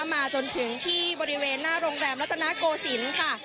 มาจนถึงที่บริเวณหน้าโรงแรมรัตนโกศิลป์ค่ะ